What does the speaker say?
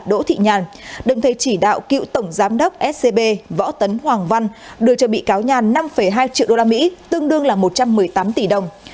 đỗ thị nhàn đồng thời chỉ đạo cựu tổng giám đốc scb võ tấn hoàng văn đưa cho bị cáo nhàn năm hai triệu usd tương đương là một trăm một mươi tám tỷ đồng